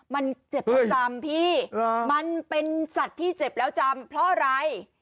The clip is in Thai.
มันเจ็บประจำพี่มันเป็นสัตว์ที่เจ็บแล้วจำเพราะอะไร